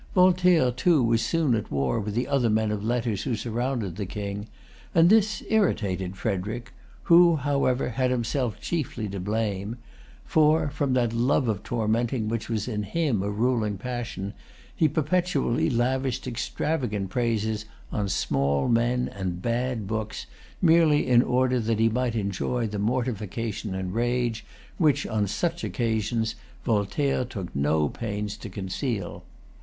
Voltaire, too, was soon at war with the other men of letters who surrounded the King; and this irritated Frederic, who, however, had himself chiefly to blame; for, from that love of tormenting which was in him a ruling passion, he perpetually lavished extravagant praises on small men and bad books, merely in order that he might enjoy the mortification and rage which, on such occasions, Voltaire took no pains to conceal.